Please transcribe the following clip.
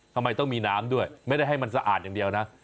ทำไมต้องมีน้ำด้วยไม่ได้ให้มันสะอาดอย่างเดียวนะ